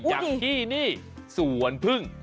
อย่างที่นี่สวนพึ่ง